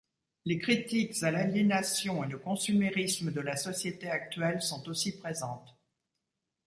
Les critiques à l'aliénation et le consumérisme de la société actuelle sont aussi présentes.